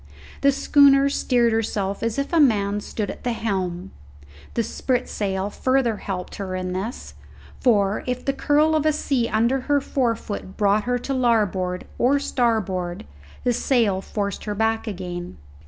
The schooner steered herself as if a man stood at the helm. The spritsail further helped her in this, for, if the curl of a sea under her forefoot brought her to larboard or starboard, the sail forced her back again.